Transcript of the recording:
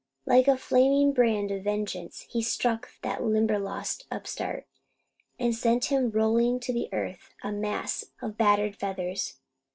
Like a flaming brand of vengeance he struck that Limberlost upstart, and sent him rolling to earth, a mass of battered feathers.